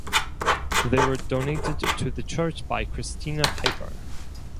They were donated to the church by Christina Piper.